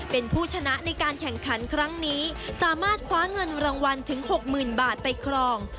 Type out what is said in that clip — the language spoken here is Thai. เป็นผู้ชนะในการแข่งขันครั้งนี้สามารถคว้าเงินรางวัลถึง๖๐๐๐บาทไปครอง